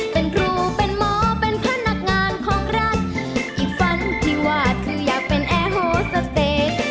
เป็นครูเป็นหมอเป็นพนักงานของรัฐอีกฝันที่ว่าคืออยากเป็นแอร์โฮสเตจ